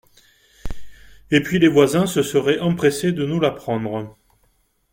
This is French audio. Et puis les voisins se seraient empressés de nous l’apprendre